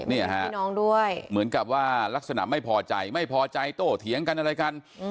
นี่ฮะพี่น้องด้วยเหมือนกับว่าลักษณะไม่พอใจไม่พอใจโต้เถียงกันอะไรกัน